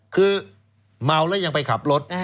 คือเมาแล้วยังไปขับรถ